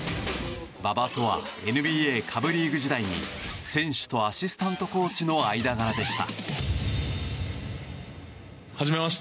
馬場とはＮＢＡ下部リーグ時代に選手とアシスタントコーチの間柄でした。